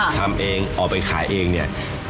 ทำเองออกไปขายเองเนี่ย